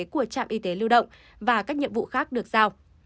của trạm y tế lưu động và các nhiệm vụ khác được giao